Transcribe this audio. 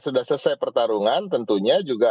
sudah selesai pertarungan tentunya juga